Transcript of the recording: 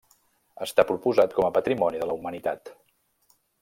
Està proposat com a Patrimoni de la Humanitat.